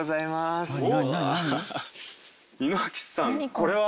これは？